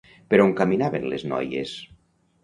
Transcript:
Per on caminaven les noies?